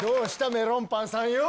メロンパンさんよー？